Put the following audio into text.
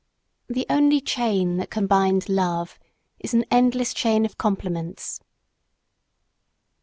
The only chain that can bind love is an endless chain of compliments.